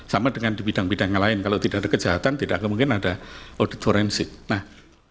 sama dengan di bidang bidang yang lain kalau tidak ada kejahatan tidak kemungkinan ada audit forensik nah